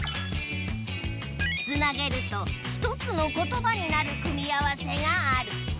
つなげると１つのことばになる組み合わせがある。